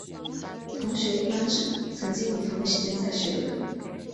同学一般指曾经于同一时间在学的人。